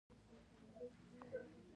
د کانګو د دوام لپاره باید څه وکړم؟